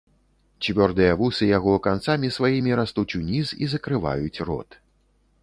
Цвёрдыя вусы яго канцамі сваімі растуць уніз і закрываюць рот.